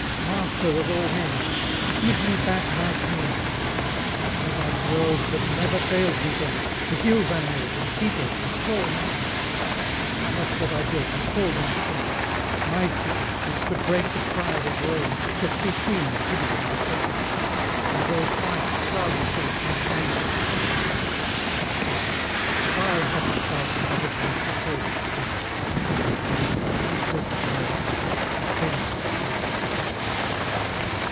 Master of all men, give me back my dreams. Give me that world that never failed me then, The hills I made and peopled with tall men, The palace that I built and called my home, My cities which could break the pride of Rome, The three queens hidden in the sacred tree, And those white cloudy folk who sang to me. O death, why hast thou covered me so deep? I was thy sister's child, the friend of Sleep."